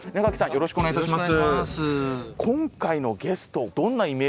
よろしくお願いします。